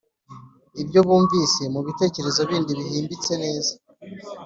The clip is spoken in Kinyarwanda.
ibyo bumvise mu bitekerezo bindi bihimbitse neza,